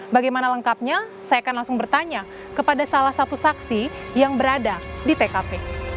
bagaimana lengkapnya saya akan langsung bertanya kepada salah satu saksi yang berada di tkp